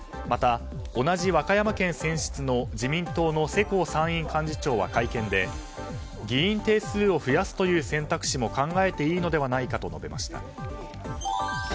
また、同じ和歌山県選出の自民党の世耕参院幹事長は会見で、議員定数を増やすという選択肢も考えていいのではないかと述べました。